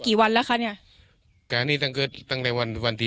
กี่วันแล้วคะเนี้ยก็อันนี้ตั้งคือตั้งแต่วันวันที